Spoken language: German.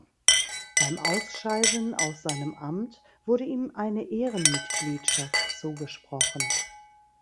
Beim Ausscheiden aus seinem Amt wurde ihm eine Ehrenmitgliedschaft zugesprochen.